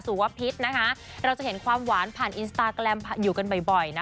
พิษนะคะเราจะเห็นความหวานผ่านอินสตาแกรมอยู่กันบ่อยนะ